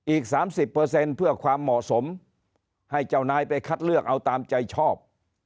อีกสามสิบเปอร์เซ็นต์เพื่อความเหมาะสมให้เจ้านายไปคัดเลือกเอาตามใจชอบ